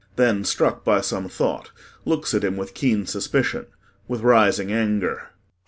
[Then struck by some thought looks at him with keen suspicion with rising anger.